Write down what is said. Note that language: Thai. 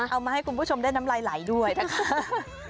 เอามาให้คุณผู้ชมได้น้ำลายไหลด้วยนะคะ